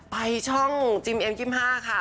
ไปช่องจิมเอ็ม๒๕ค่ะ